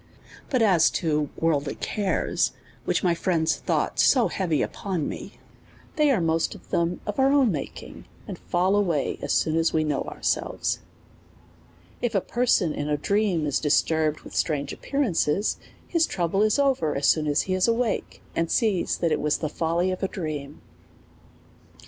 But as to worldly cares, which my friends thought 90 heavy upon me, they are most of them of our own making, and fall away as soon as we know ourselves. If a person in a dream is disturbed with strange ap pearances, his trouble is over as soon as he is awake, and sees that it was the folly of his dream.